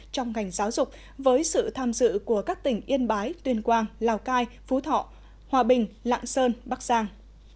trong ngành giáo dục với sự tham dự của các tỉnh yên bái tuyên quang lào cai phú thọ hòa bình lạng sơn bắc giang